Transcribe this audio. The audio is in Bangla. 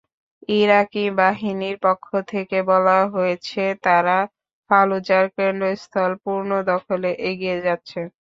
ইরাকি বাহিনীর পক্ষ থেকে বলা হয়েছে তাঁরা ফালুজার কেন্দ্রস্থল পুনর্দখলে এগিয়ে যাচ্ছে।